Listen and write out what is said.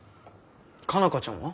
佳奈花ちゃんは？